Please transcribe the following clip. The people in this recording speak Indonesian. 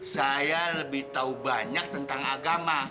saya lebih tahu banyak tentang agama